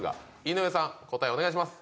井上さん答えお願いします。